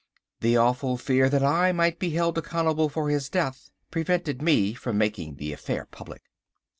The awful fear that I might be held accountable for his death, prevented me from making the affair public.